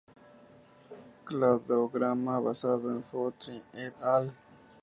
Cladograma basado en Fortuny "et al.